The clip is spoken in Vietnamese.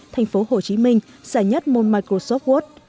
thành phố hồ chí minh giải nhất mon microsoft word